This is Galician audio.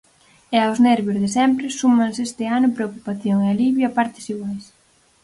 E aos nervios de sempre súmanse este ano preocupación e alivio a partes iguais.